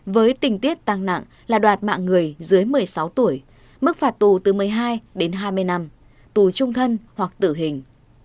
với tình tiết tăng nặng là đoạt mạng người dưới một mươi sáu tuổi mức phạt tù từ một mươi hai đến hai mươi năm tù trung thân hoặc tử hình